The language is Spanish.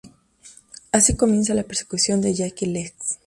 Así comienza la persecución de Jackie Legs.